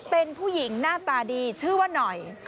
เป็นผู้หญิงหน้าตาดีชื่อว่าหน่อย